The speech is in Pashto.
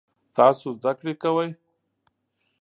تاسو زده کړی کوئ؟